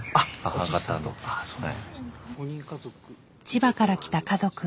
千葉から来た家族。